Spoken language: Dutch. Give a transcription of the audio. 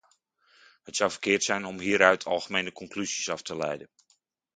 Het zou verkeerd zijn om hieruit algemene conclusies af te leiden.